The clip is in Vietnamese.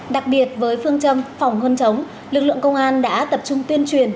đặc biệt với phương châm phòng hơn chống lực lượng công an đã tập trung tuyên truyền